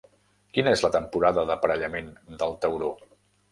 Quina és la temporada d'aparellament del tauró?